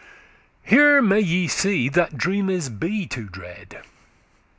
"Here may ye see that dreames be to dread.